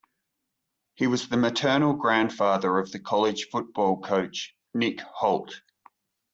He was the maternal grandfather of the college football coach Nick Holt.